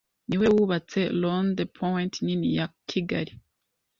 ni we wubatse Rond-Point nini ya Kigali